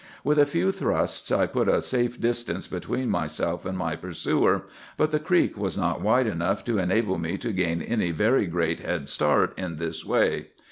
With a few thrusts I put a safe distance between myself and my pursuer, but the creek was not wide enough to enable me to gain any very great head start in this way.